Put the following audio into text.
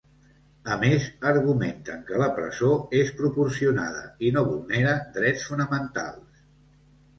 A més, argumenten que la presó és ‘proporcionada’ i no vulnera drets fonamentals.